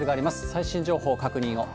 最新情報、確認を。